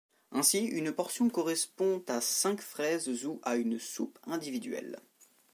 Ainsi, une portion correspond à cinq fraises ou à une soupe individuelle.